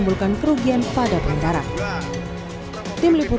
mencari segera mungkin kita ungkap besok besok padahal pasti tidak ada latif ve rudi theirs bisa